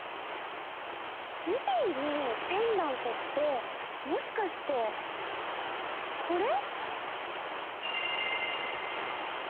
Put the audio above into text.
ズビーのペンダントってもしかしてこれ？